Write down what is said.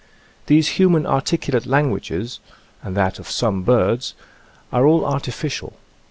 These human articulate languages — and that of some birds — are all artificial.